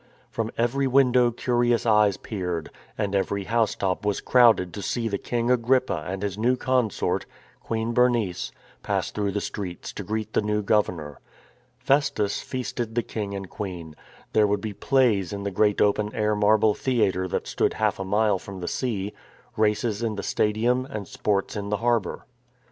From every window curious eyes peered, and every house top was crowded to see the King Agrippa and his new consort. Queen Bernice, pass through the streets, to greet the new governor.^ Festus feasted the King and Queen. There would be plays in the great open air marble theatre that stood half a mile from the sea, races in the stadium and sports in the harbour.